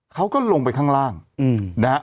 เขาก็ลงไปข้างล่างนะฮะ